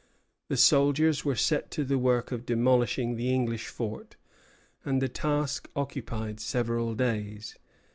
The soldiers were set to the work of demolishing the English fort; and the task occupied several days.